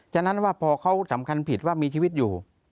ฉะนั้นว่าพอเขาสำคัญผิดว่ามีชีวิตอยู่